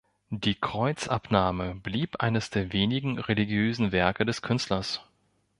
Die "Kreuzabnahme" blieb eines der wenigen religiösen Werke des Künstlers.